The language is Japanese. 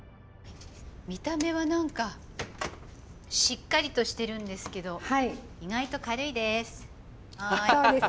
見た目は何かしっかりとしてるんですけど意外と軽いです。